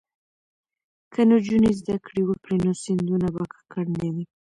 که نجونې زده کړې وکړي نو سیندونه به ککړ نه وي.